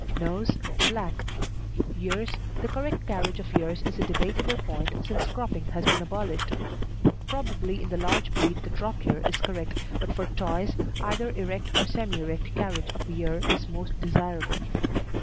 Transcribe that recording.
NOSE Black. EARS The correct carriage of ears is a debatable point since cropping has been abolished. Probably in the large breed the drop ear is correct, but for Toys either erect or semi erect carriage of the ear is most desirable.